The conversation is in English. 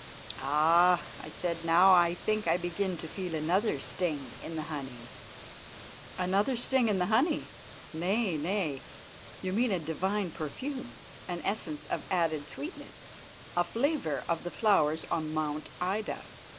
"Ah!" I said, "now I think I begin to feel another sting in the honey." "Another sting in the honey! Nay, nay, you mean a divine perfume, an essence of added sweetness, a flavour of the flowers on Mount Ida.